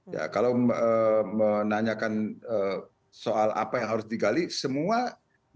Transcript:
ya kalau menanyakan soal apa yang harus digali semua dugaan yang harus digali itu